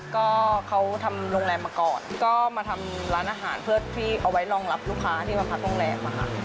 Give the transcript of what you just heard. ก็เขาทำโรงแรมมาก่อนก็มาทำร้านอาหารเพื่อที่เอาไว้รองรับลูกค้าที่มาพักโรงแรมค่ะ